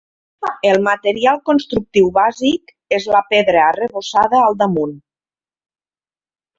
El material constructiu bàsic és la pedra arrebossada al damunt.